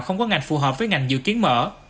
không có ngành phù hợp với ngành dự kiến mở